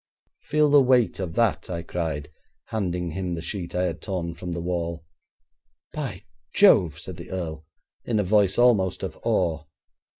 'Feel the weight of that,' I cried, handing him the sheet I had torn from the wall. 'By Jove!' said the earl, in a voice almost of awe.